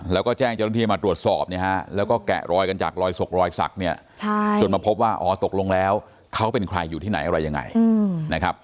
แล้วก็แจ้งเจ้าหน้าที่มาตรวจสอบเนี่ยฮะแล้วก็แกะรอยกันจากรอยศกรอยสักเนี่ยจนมาพบว่าอ๋อตกลงแล้วเขาเป็นใครอยู่ที่ไหนอะไรยังไงนะครับ